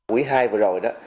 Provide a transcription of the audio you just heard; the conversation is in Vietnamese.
quý hai vừa rồi đó